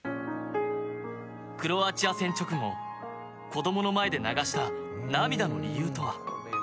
クロアチア戦直後子どもの前で流した涙の理由とは。